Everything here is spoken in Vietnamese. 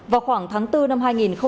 vào khoảng tháng bốn năm hai nghìn hai mươi